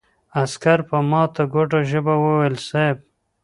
عسکر په ماته ګوډه ژبه وويل: صېب!